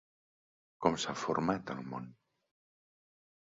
Com s'ha format el món?